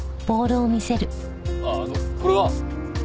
あのこれは？